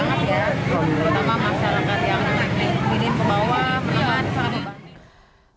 pertama masyarakat yang pilih ke bawah perhatian sangat berat